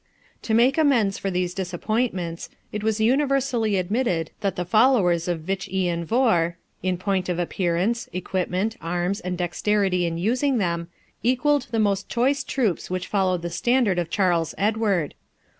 To make amends for these disappointments, it was universally admitted that the followers of Vich Ian Vohr, in point of appearance, equipment, arms, and dexterity in using them, equalled the most choice troops which followed the standard of Charles Edward.